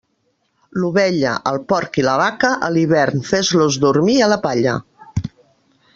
L'ovella, el porc i la vaca, a l'hivern fes-los dormir a la palla.